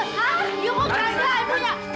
you pun kaget